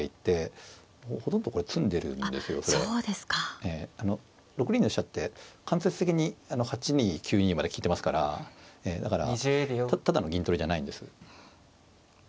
ええあの６二の飛車って間接的に８二９二まで利いてますからだからただの銀取りじゃないんです。